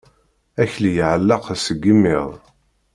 Akli iɛelleq seg imiḍ.